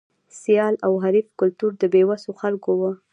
سیال او حریف کلتور د بې وسو خلکو و.